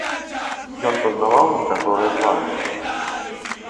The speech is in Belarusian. Ён пазнаваў некаторыя твары.